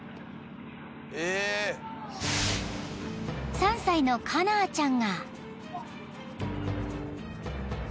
［３歳のカナーちゃんが］